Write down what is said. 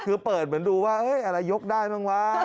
คือเปิดเหมือนดูว่าอะไรยกได้บ้างวะ